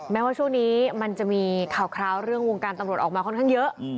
แม้ว่าช่วงนี้มันจะมีข่าวเรื่องวงการตำรวจออกมาค่อนข้างเยอะ